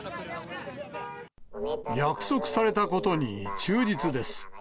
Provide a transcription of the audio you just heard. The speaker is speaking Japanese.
約束されたことに忠実です。